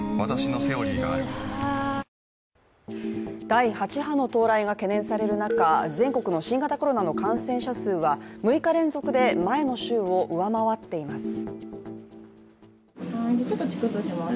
第８波の到来が懸念される中全国の新型コロナの感染者数は６日連続で前の週を上回っています。